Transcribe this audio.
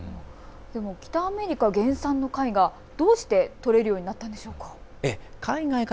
北アメリカ原産の貝がどうして取れるようになったんでしょうか。